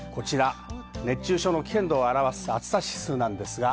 熱中症の危険度を表す暑さ指数です。